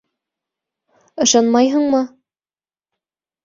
Ышанмайһыңмы?!